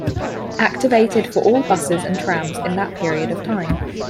Activated for all buses and trams in that period of time.